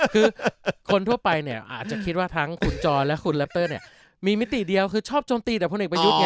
คือคนทั่วไปอาจจะคิดว่าทั้งคุณจรและคุณแรปเปอร์มีมิติเดียวคือชอบโจมตีแต่พลเอกประยุทธ์